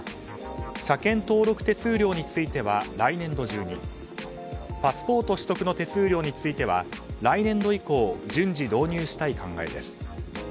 車検登録手数料については来年度中にパスポート取得の手数料については来年度以降順次導入した考えです。